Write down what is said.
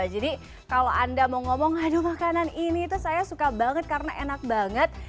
jadi kalau anda mau ngomong aduh makanan ini itu saya suka banget karena enak banget